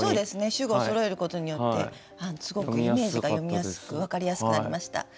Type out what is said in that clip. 主語をそろえることによってすごくイメージが読みやすく分かりやすくなりました。